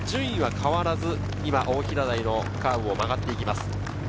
順位は変わらず今、大平台のカーブを曲がっていきます。